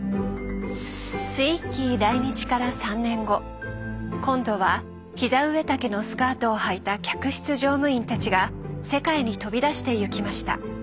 ツイッギー来日から３年後今度は膝上丈のスカートをはいた客室乗務員たちが世界に飛び出してゆきました！